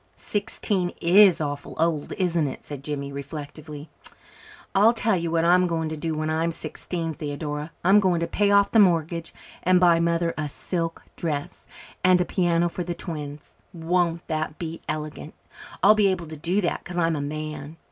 "Sixteen is awful old, isn't it?" said Jimmy reflectively. "I'll tell you what I'm going to do when I'm sixteen, Theodora. I'm going to pay off the mortgage, and buy mother a silk dress, and a piano for the twins. Won't that be elegant? I'll be able to do that 'cause I'm a man.